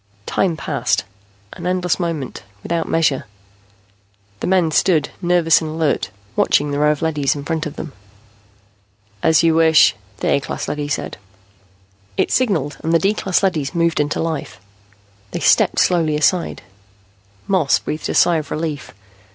Time passed, an endless moment, without measure. The men stood, nervous and alert, watching the row of leadys in front of them. "As you wish," the A class leady said. It signaled and the D class leadys moved into life. They stepped slowly aside. Moss breathed a sigh of relief.